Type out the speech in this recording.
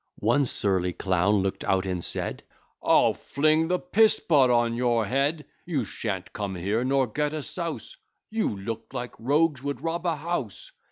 One surly clown look't out and said, "I'll fling the p pot on your head: You sha'nt come here, nor get a sous! You look like rogues would rob a house.